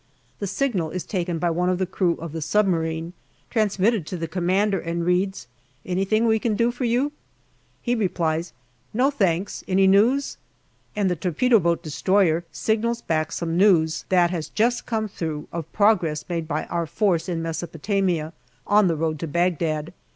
The signal is taken by one of the crew of the submarine, transmitted to the commander, and reads, " Anything we can do for you ?" He replies, " No, thanks. Any news ?" and the torpedo boat destroyer signals back some news that has just come through of progress made by our force in Mesopotamia on the road to Bagdad.